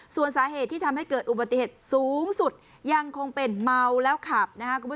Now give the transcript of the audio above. ส่วนสาเหตุที่ทำให้เกิดอุบัติเหตุสูงสุดยังคงเป็นเมาแล้วขับนะครับ